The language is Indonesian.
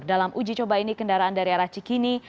dalam uji coba ini kendaraan dari arah cikini